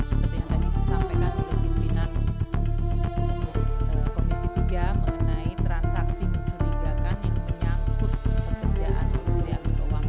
seperti yang tadi disampaikan oleh pimpinan komisi tiga mengenai transaksi mencurigakan yang menyangkut pekerjaan pemberdayaan keuangan